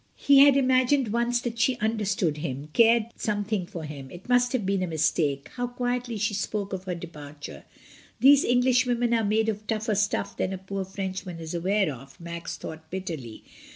He had imagined once that she understood him — cared something for him. It must have been a mistake. How quietly she spoke of her departure. "These Englishwomen are made of tougher stuff than a poor Frenchman is aware of," Max thought bitterly.